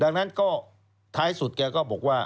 ดังนั้นก็ท้ายสุดแกก็บอกว่า